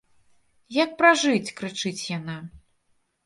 Як пражыць, крычыць яна.